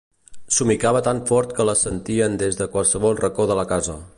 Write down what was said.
Somicava tan fort que la sentien des de qualsevol racó de la casa.